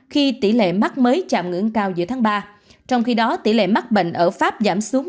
khi tỷ lệ mắc mới chạm ngưỡng cao giữa tháng ba trong khi đó tỷ lệ mắc bệnh ở pháp giảm xuống